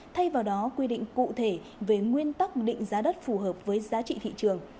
thay vào đó quy định cụ thể về nguyên tắc định giá đất phù hợp với giá trị thị trường